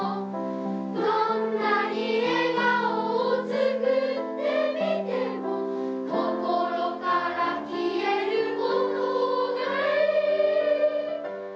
「どんなに笑顔を作ってみても心から消えることがない」